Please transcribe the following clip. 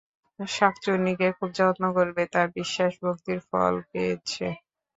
শাঁকচুন্নীকে খুব যত্ন করবে! তার বিশ্বাস-ভক্তির ফল ফলেছে।